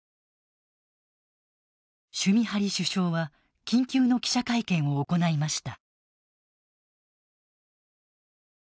シュミハリ首相は緊急の記者会見を行いました。